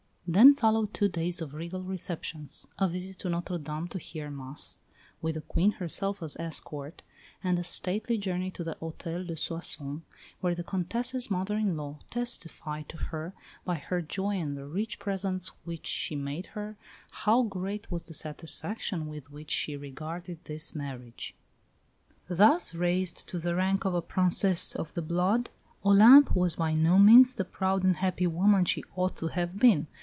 Then followed two days of regal receptions; a visit to Notre Dame to hear Mass, with the Queen herself as escort; and a stately journey to the Hôtel de Soissons, where the Comtesse's mother in law "testified to her, by her joy and the rich presents which she made her, how great was the satisfaction with which she regarded this marriage." Thus raised to the rank of a Princess of the Blood, Olympe was by no means the proud and happy woman she ought to have been.